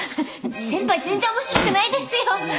先輩全然面白くないですよ！